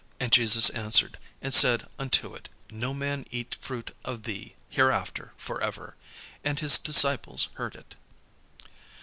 And Jesus answered and said unto it: "No man eat fruit of thee hereafter for ever." And his disciples heard it.